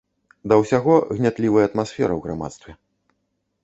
Да ўсяго, гнятлівая атмасфера ў грамадстве.